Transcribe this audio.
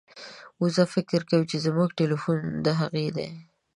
وزه فکر کوي چې زموږ ټیلیفون د هغې دی.